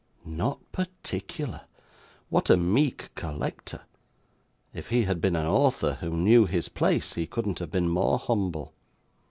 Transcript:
Not particular! What a meek collector! If he had been an author, who knew his place, he couldn't have been more humble.